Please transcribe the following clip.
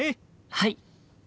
はい！